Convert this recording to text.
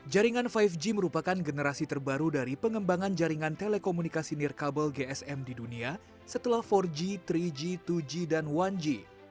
jaringan lima g merupakan generasi terbaru dari pengembangan jaringan telekomunikasi nirkabel gsm di dunia setelah empat g tiga g dua g dan satu g